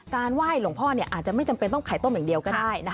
ไหว้หลวงพ่ออาจจะไม่จำเป็นต้องไข่ต้มอย่างเดียวก็ได้